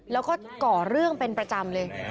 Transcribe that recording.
แล้วก็ก่อเรื่องเป็นประจำเลย